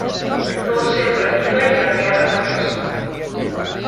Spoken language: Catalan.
Fou sempre amiga i aliada d'aquesta.